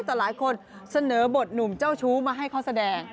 แต่หลายคนเสนอบทหนุ่มเจ้าชู้มาให้เขาแสดง